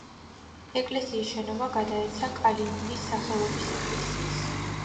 ეკლესიის შენობა გადაეცა კალინინის სახელობის ეკლესიას.